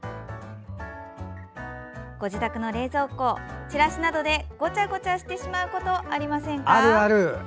ご自宅の冷蔵庫、チラシなどでごちゃごちゃしてしまうことありませんか？